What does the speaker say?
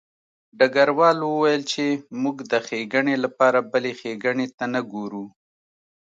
ډګروال وویل چې موږ د ښېګڼې لپاره بلې ښېګڼې ته نه ګورو